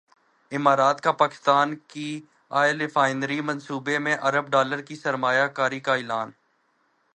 امارات کا پاکستان کی ئل ریفائنری منصوبے میں ارب ڈالر کی سرمایہ کاری کا اعلان